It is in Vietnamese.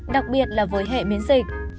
đặc biệt là với hệ miễn dịch